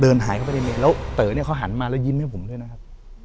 หายเข้าไปในเมนแล้วเต๋อเนี่ยเขาหันมาแล้วยิ้มให้ผมด้วยนะครับ